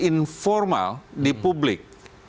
informal di publik